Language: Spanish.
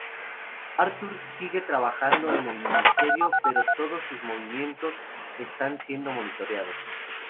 Arthur sigue trabajando en el Ministerio, pero todos sus movimientos están siendo monitoreados.